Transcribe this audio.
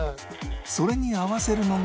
それに合わせるのが